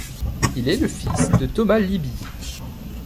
Il est le fils de Thomas Libiih.